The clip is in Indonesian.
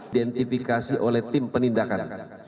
identifikasi oleh tim penindakan